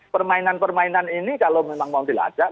permainan permainan ini kalau memang mau dilacak